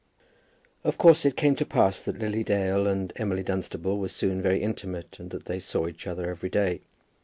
Of course it came to pass that Lily Dale and Emily Dunstable were soon very intimate, and that they saw each other every day.